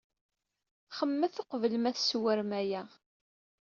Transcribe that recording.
Xemmemet uqbel ma tsewrem aya.